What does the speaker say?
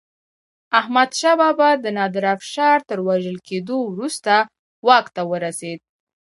احمدشاه بابا د نادر افشار تر وژل کېدو وروسته واک ته ورسيد.